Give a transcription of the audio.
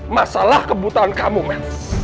masalah kebutaan kamu man